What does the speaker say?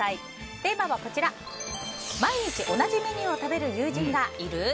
テーマは、毎日同じメニューを食べる友人がいる？